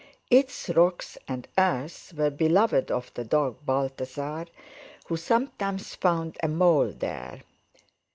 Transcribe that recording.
Its rocks and earth were beloved of the dog Balthasar, who sometimes found a mole there.